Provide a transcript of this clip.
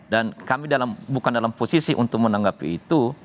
dan kami bukan dalam posisi untuk menanggapi itu